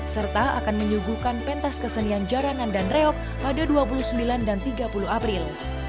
serta akan menyuguhkan pentas kesenian jaranan dan reok pada dua puluh sembilan dan tiga puluh april